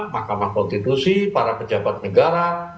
mahkamah konstitusi para pejabat negara